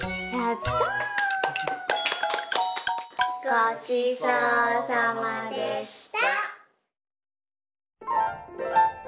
ごちそうさまでした！